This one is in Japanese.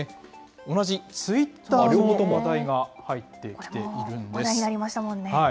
同じツイッターの話題が入ってき話題になりましたもんね。